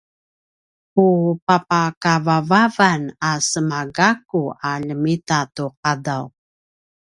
ku papakavavavan a sema gakku a ljemita tu qadaw